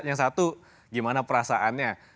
yang satu gimana perasaannya